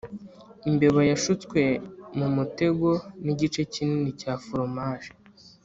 imbeba yashutswe mumutego nigice kinini cya foromaje